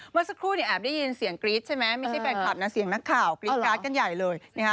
เมื่อสักครู่เนี่ยแอบได้ยินเสียงกรี๊ดใช่ไหมไม่ใช่แฟนคลับนะเสียงนักข่าวกรี๊ดการ์ดกันใหญ่เลย